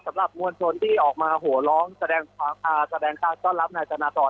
สำหรับมวลชนที่ออกมาโหร้องแสดงการต้อนรับนายธนากร